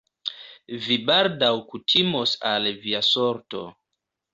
Vi baldaŭ kutimos al via sorto...